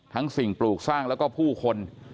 สิ่งปลูกสร้างแล้วก็ผู้คน